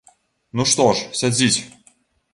Ну што ж, сядзіць!